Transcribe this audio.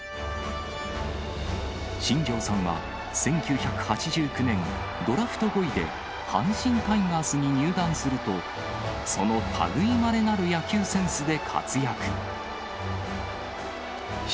新庄さんは、１９８９年、ドラフト５位で阪神タイガースに入団すると、そのたぐいまれなる野球センスで活躍。